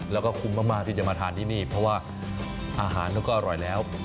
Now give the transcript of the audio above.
แล้วก็คุ้มมากที่จะมาทานที่นี่เพราะว่าอาหารเขาก็อร่อยแล้ว